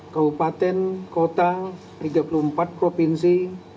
kabupaten kota tiga puluh empat provinsi